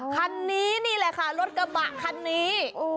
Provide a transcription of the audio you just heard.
คันนี้นี่แหละค่ะรถกระบะคันนี้